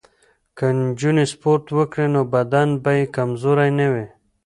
که نجونې سپورت وکړي نو بدن به یې کمزوری نه وي.